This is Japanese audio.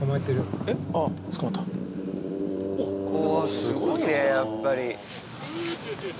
すごいねやっぱり。